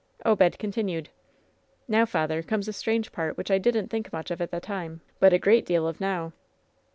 Obed continued : "Now, father, comes the strange part, which I didn't think much of at the time, but a great deal of now